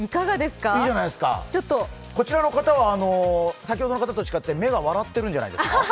先ほどの方と違って目が笑ってるんじゃないですか。